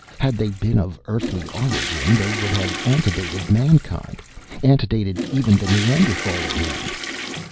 Had they been of earthly origin they would have antedated Mankind antedated even the Neanderthaler man.